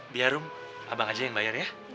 biar rum abang aja yang bayar ya